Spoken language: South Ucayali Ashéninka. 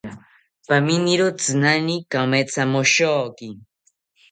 Paminiro tzinani kamethamoshoki